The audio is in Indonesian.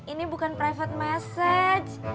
ini bukan private message